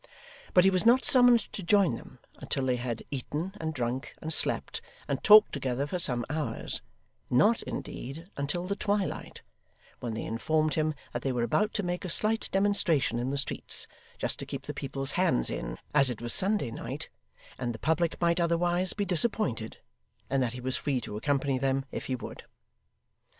But he was not summoned to join them, until they had eaten, and drunk, and slept, and talked together for some hours; not, indeed, until the twilight; when they informed him that they were about to make a slight demonstration in the streets just to keep the people's hands in, as it was Sunday night, and the public might otherwise be disappointed and that he was free to accompany them if he would.